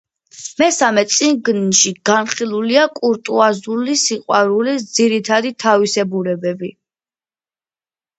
მესამე წიგნში განხილულია კურტუაზული სიყვარულის ძირითადი თავისებურებები.